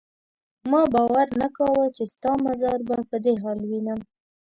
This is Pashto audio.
ما باور نه کاوه چې ستا مزار به په دې حال وینم.